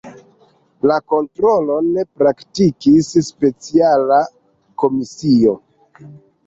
La kontrolon praktikis speciala komisio.